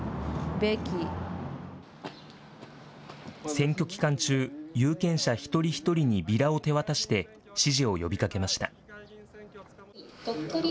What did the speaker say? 選挙期間中、有権者一人一人にビラを手渡して支持を呼びかけました。